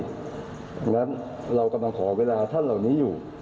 เพราะฉะนั้นเรากำลังขอเวลาท่านเหล่านี้อยู่